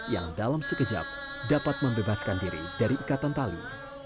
yang dalam sekejap dapat membebaskan diri dari ikatan tali